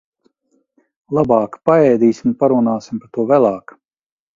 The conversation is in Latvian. Labāk paēdīsim un parunāsim par to vēlāk.